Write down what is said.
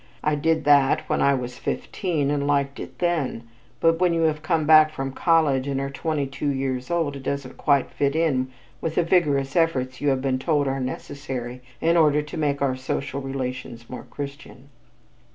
I did that when I was fifteen and liked it then, but when you have come back from college and are twenty two years old, it doesn't quite fit in with the vigorous efforts you have been told are necessary in order to make our social relations more Christian."